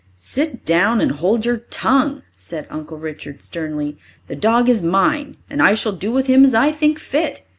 "Sit down and hold your tongue," said Uncle Richard sternly. "The dog is mine, and I shall do with him as I think fit.